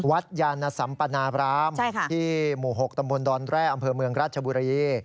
ยานสัมปนาบรามที่หมู่๖ตำบลดอนแร่อำเภอเมืองราชบุรี